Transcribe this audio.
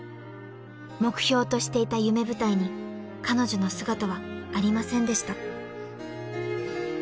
［目標としていた夢舞台に彼女の姿はありませんでした］